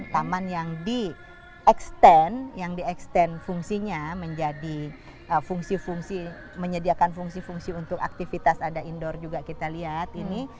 taman yang di extend yang di extend fungsinya menjadi fungsi fungsi menyediakan fungsi fungsi untuk aktivitas ada indoor juga kita lihat ini